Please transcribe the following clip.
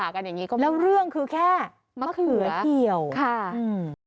ใช่นะครับแล้วเรื่องคือแค่มะเขือเที่ยวค่ะถ้าเราพิวาสด่ากันอย่างนี้ก็ไม่มี